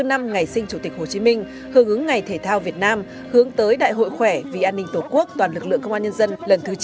bảy mươi năm năm ngày sinh chủ tịch hồ chí minh hướng ứng ngày thể thao việt nam hướng tới đại hội khỏe vì an ninh tổ quốc toàn lực lượng công an nhân dân lần thứ chín